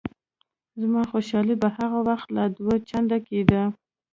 زما خوشحالي به هغه وخت لا دوه چنده کېده.